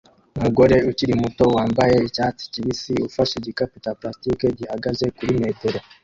Umugore ukiri muto wambaye icyatsi kibisi ufashe igikapu cya plastiki gihagaze kuri metero